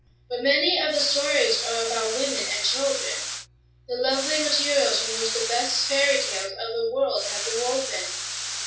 But many of the stories are about women and children,—the lovely materials from which the best fairy tales of the world have been woven.